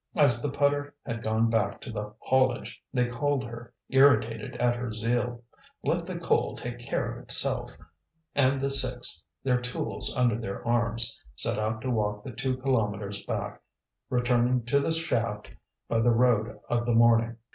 As the putter had gone back to the haulage they called her, irritated at her zeal: let the coal take care of itself. And the six, their tools under their arms, set out to walk the two kilometres back, returning to the shaft by the road of the morning.